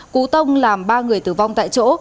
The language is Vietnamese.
cú tông làm ba người tử vong tại chỗ